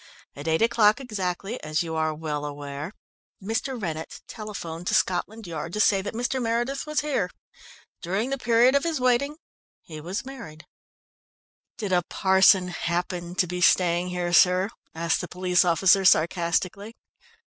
At eight o'clock exactly, as you are well aware, Mr. Rennett telephoned to Scotland Yard to say that Mr. Meredith was here. During the period of his waiting he was married." "Did a parson happen to be staying here, sir?" asked the police officer sarcastically.